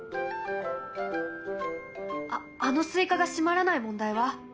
あっあのスイカが閉まらない問題は？